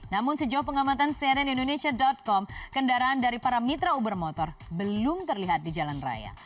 namun sejauh pengamatan cnn indonesia com kendaraan dari para mitra uber motor belum terlihat di jalan raya